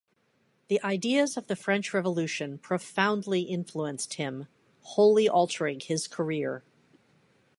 The ideas of the French Revolution profoundly influenced him, wholly altering his career.